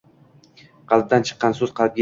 Qalbdan chiqqan so‘z qalbga yetib boradi.